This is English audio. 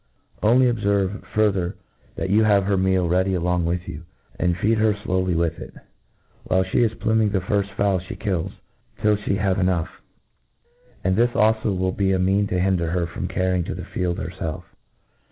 Only obfervc, fur , ther, that you have her meal ready along ^wth you, and feed her flowly with it, while fhe is pluming the firft fowl (he kills, till (he have e jioggh j and this alfo will be a mean to hinder her from carryi; ig to feed herfclf.